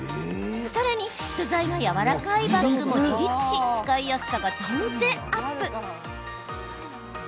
さらに素材がやわらかいバッグも自立し使いやすさが断然アップ。